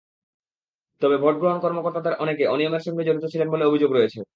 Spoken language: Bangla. তবে ভোট গ্রহণ কর্মকর্তাদের অনেকে অনিয়মের সঙ্গে জড়িত ছিলেন বলে অভিযোগ রয়েছে।